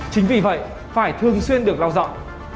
chính vì vậy phải thường xuyên được lau dọn